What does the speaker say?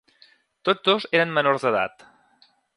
Tots dos eren menors d'edat.